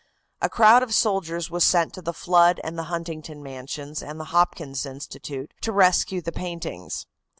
A crowd of soldiers was sent to the Flood and the Huntington mansions and the Hopkins Institute to rescue the paintings.